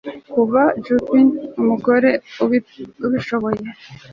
Kuva Jupin umugore ubishoboye